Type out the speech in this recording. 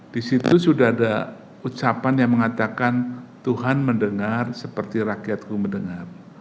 di situ sudah ada ucapan yang mengatakan tuhan mendengar seperti rakyatku mendengar